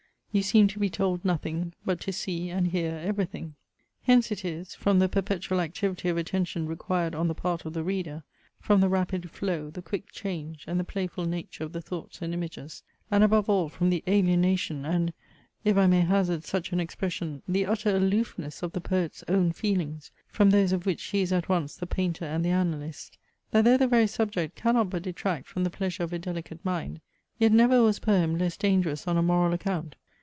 You seem to be told nothing, but to see and hear everything. Hence it is, from the perpetual activity of attention required on the part of the reader; from the rapid flow, the quick change, and the playful nature of the thoughts and images; and above all from the alienation, and, if I may hazard such an expression, the utter aloofness of the poet's own feelings, from those of which he is at once the painter and the analyst; that though the very subject cannot but detract from the pleasure of a delicate mind, yet never was poem less dangerous on a moral account.